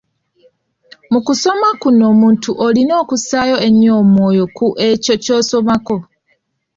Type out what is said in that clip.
Mu kusoma kuno omuntu olina okussaayo ennyo omwoyo ku ekyo ky’osomako.